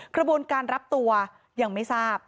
กระบวนการรับตัวยังไม่ทราบ